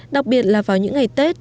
đặc biệt là vào những ngày tết